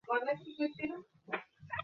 আমি তোমাকে কাল কল দেব।